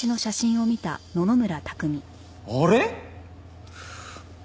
あれ？